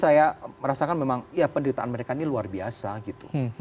saya merasakan memang ya penderitaan mereka ini luar biasa gitu